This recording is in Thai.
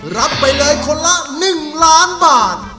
รับไปเลยคนละ๑ล้านบาท